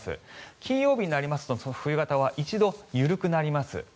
金曜日になりますと冬型は１度、緩くなります。